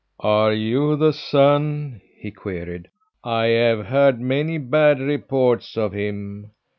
"Are you the son?" he queried. "I have heard many bad reports of him.